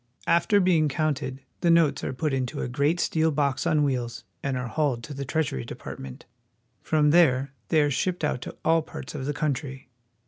After being counted, the notes are put into a great steel box on wheels and are hauled to the Treasury Departments From there they are shipped to all parts of the country.